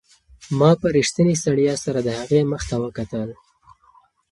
ما په رښتینې ستړیا سره د هغې مخ ته وکتل.